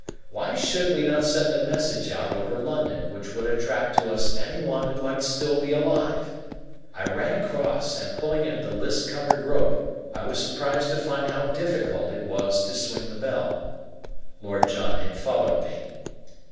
Why should we not send a message out over London which would attract to us anyone who might still be alive? I ran across, and pulling at the list covered rope, I was surprised to find how difficult it was to swing the bell. Lord John had followed me.